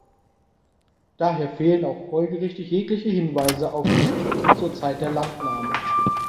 Daher fehlen auch folgerichtig jegliche Hinweise auf die Pikten zur Zeit der Landnahme.